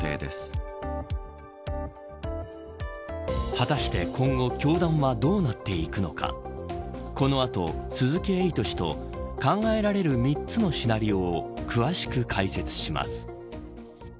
果たして今後教団はどうなっていくのかこの後、鈴木エイト氏と考えられる３つのシナリオを詳しく解説します。